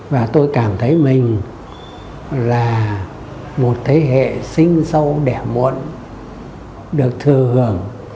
và tôi cảm thấy mình là một thế hệ sinh sâu đẻ muộn được thừa hưởng